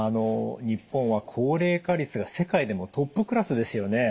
日本は高齢化率が世界でもトップクラスですよね。